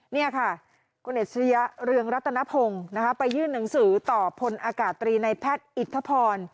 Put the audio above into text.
นี่ค่ะคุณอัจฉริยะเรืองรัตนพงศ์ไปยื่นหนังสือต่อพลอากาศตรีในแพทย์อิทธพร